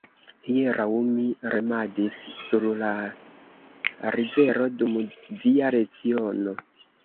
Hieraŭ mi remadis sur la rivero dum via leciono.